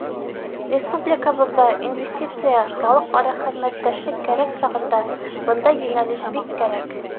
Республикабыҙға инвестиция, халыҡ-ара хеҙмәттәшлек кәрәк сағында, бындай йүнәлеш бик кәрәк.